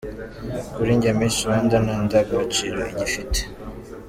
Kuri njye Miss Rwanda nta ndangagaciro igifite.